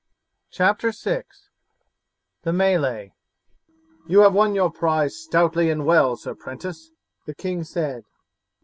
CHAPTER VI: THE MELEE "You have won your prize stoutly and well, sir 'prentice," the king said.